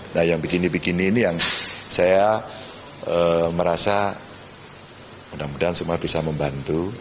nah yang begini begini ini yang saya merasa mudah mudahan semua bisa membantu